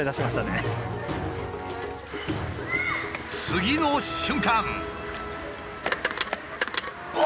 次の瞬間。